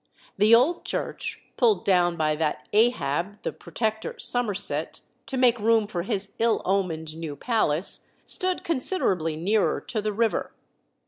The old church, pulled down by that Ahab, the Protector Somerset, to make room for his ill omened new palace, stood considerably nearer to the river.